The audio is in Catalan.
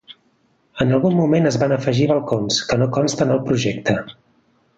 En algun moment es van afegir balcons, que no consten al projecte.